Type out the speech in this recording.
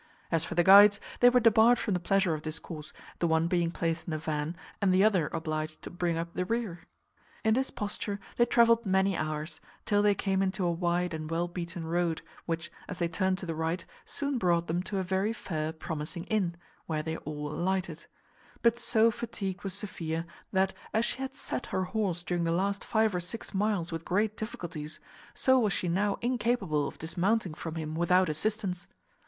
As for the guides, they were debarred from the pleasure of discourse, the one being placed in the van, and the other obliged to bring up the rear. In this posture they travelled many hours, till they came into a wide and well beaten road, which, as they turned to the right, soon brought them to a very fair promising inn, where they all alighted: but so fatigued was Sophia, that as she had sat her horse during the last five or six miles with great difficulty, so was she now incapable of dismounting from him without assistance.